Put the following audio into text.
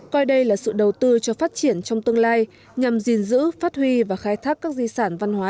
coi đây là sự đầu tư cho phát triển trong tương lai nhằm gìn giữ phát huy và khai thác các di sản văn hóa